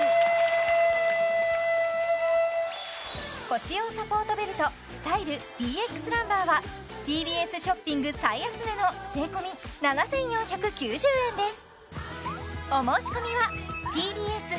腰用サポートベルトスタイルＢＸランバーはＴＢＳショッピング最安値の税込７４９０円です